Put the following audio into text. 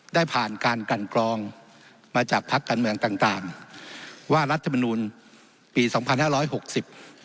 ได้ผ่านการกันกรองมาจากพักการเมืองต่างต่างว่ารัฐมนูลปีสองพันห้าร้อยหกสิบ